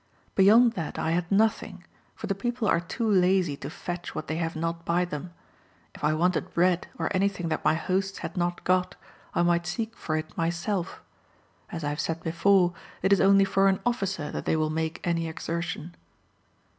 Beyond that I had nothing, for the people are too lazy to fetch what they have not by them. If I wanted bread, or anything that my hosts had not got, I might seek for it myself. As I have said before, it is only for an officer that they will make any exertion.